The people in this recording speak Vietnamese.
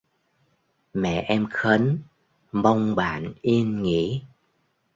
Mẹ em khấn mong bạn yên nghỉ